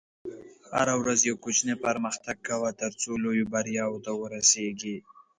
هره ورځ یو کوچنی پرمختګ کوه، ترڅو لویو بریاوو ته ورسېږې.